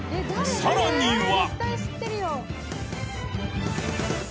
［さらには］